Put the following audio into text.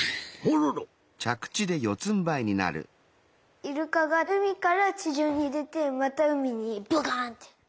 イルカがうみからちじょうにでてまたうみにどかんって。